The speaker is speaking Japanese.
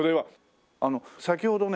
先ほどね